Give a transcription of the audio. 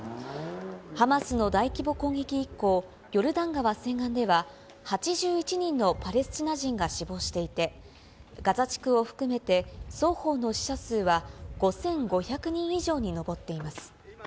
ハマスの大規模攻撃以降、ヨルダン川西岸では８１人のパレスチナ人が死亡していて、ガザ地区を含めて双方の死者数は５５００人以上に上っています。